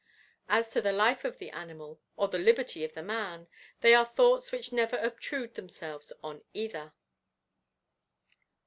As to the life of the animal, or the liberty of the man, they are thoughts which never obtrude themselves on either.